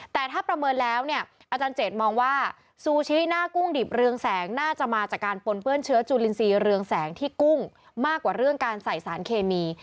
แต่ถ้าประเมินแล้วเนี่ยอาจารย์เจดมองว่าซูชิหน้ากุ้งดิบเรืองแสงน่าจะมาจากการปนเปื้อนเชื้อจูลินทรีย์เรืองแสงที่กุ้งมากกว่าเรื่องการใส่สารเคมี